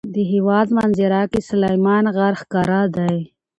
د هېواد منظره کې سلیمان غر ښکاره دی.